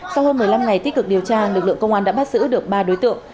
sau hơn một mươi năm ngày tích cực điều tra lực lượng công an đã bắt giữ được ba đối tượng